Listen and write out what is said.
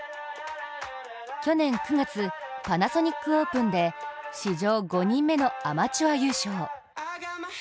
去年９月、パナソニックオープンで史上５人目の、アマチュア優勝。